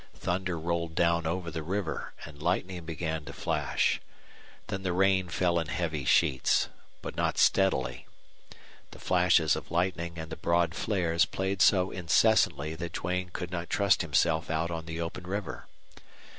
Thunder rolled down over the river, and lightning began to flash. Then the rain fell in heavy sheets, but not steadily. The flashes of lightning and the broad flares played so incessantly that Duane could not trust himself out on the open river.